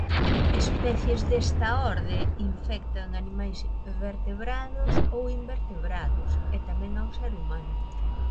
Especies desta orde infectan animais vertebrados ou invertebrados e tamén ao ser humano.